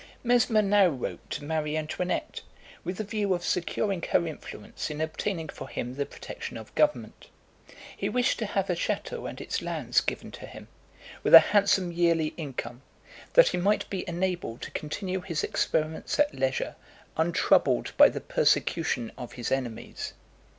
Mesmer now wrote to Marie Antoinette, with the view of securing her influence in obtaining for him the protection of government. He wished to have a château and its lands given to him, with a handsome yearly income, that he might be enabled to continue his experiments at leisure, untroubled by the persecution of his enemies.